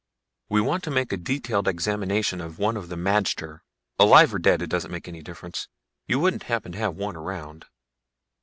"We want to make a detailed examination of one of the magter. Alive or dead, it doesn't make any difference. You wouldn't happen to have one around?"